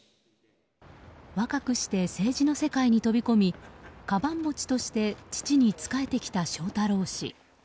若くして政治の世界に飛び込みかばん持ちとして父に仕えてきた翔太郎氏。